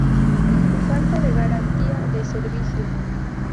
Su falta de garantía de servicio.